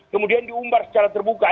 kemudian diumbar secara terbuka